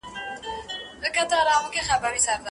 هغه څېړونکی چي خپله لیکنه کوي په راتلونکي کي ډېر څه زده کوي.